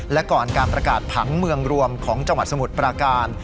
และก่อนการประกาศผังเมืองรวมของจังหวัดสมุทรปราการ